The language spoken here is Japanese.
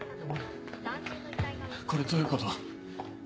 これどういうこと？